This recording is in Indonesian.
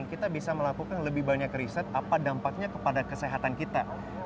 kita bisa melakukan lebih banyak riset apa dampaknya kepada kesehatan kita